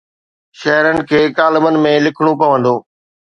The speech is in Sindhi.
شهرن کي ڪالمن ۾ لکڻو پوندو.